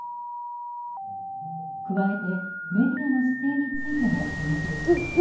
加えてメディアの姿勢についても言及しました。